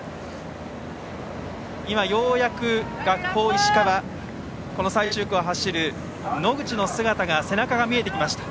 ようやく、学法石川最終区を走る野口の背中が見えてきました。